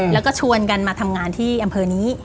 แล้วก็ชวนกันมาทำงานที่อำเภอนี้